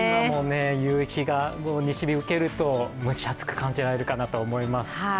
夕日が西日を受けると蒸し暑く感じられるかなと思います。